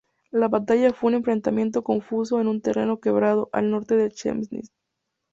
La batalla fue un enfrentamiento confuso en un terreno quebrado, al norte de Chemnitz.